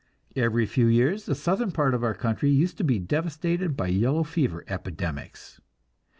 Every few years the southern part of our country used to be devastated by yellow fever epidemics.